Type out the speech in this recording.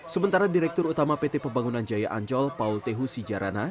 sementara direktur utama pt pembangunan jaya ancol paul tehu sijarana